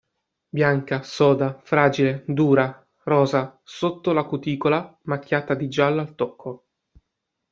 Bianca, soda, fragile, dura, rosa sotto la cuticola, macchiata di giallo al tocco.